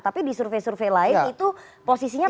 tapi di survei survei lain itu posisinya